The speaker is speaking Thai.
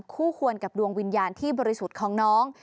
คู่ควรกับดวงวิญญาณที่บริสุทธิ์ของน้อง